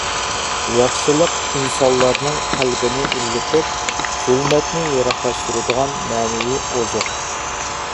ياخشىلىق — ئىنسانلارنىڭ قەلبىنى ئىللىتىپ، زۇلمەتنى يىراقلاشتۇرىدىغان مەنىۋى ئوزۇق.